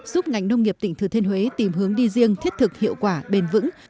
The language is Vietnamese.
giúp ngành nông nghiệp tỉnh thừa thiên huế tìm hướng đi riêng thiết thực hiệu quả bền vững